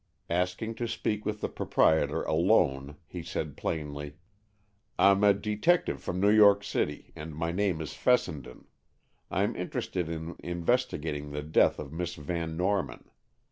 Asking to speak with the proprietor alone, he said plainly: "I'm a detective from New York City, and my name is Fessenden. I'm interested in investigating the death of Miss Van Norman.